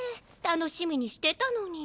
楽しみにしてたのに。